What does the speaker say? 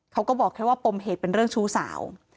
เขาก็บอกแค่ว่าปมเหตุเป็นเรื่องชู้สาว